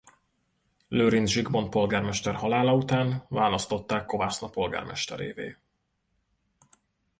Lőrincz Zsigmond polgármester halála után választották Kovászna polgármesterévé.